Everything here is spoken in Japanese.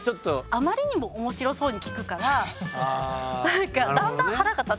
あまりにも面白そうに聞くから何かだんだん腹が立ってきちゃって。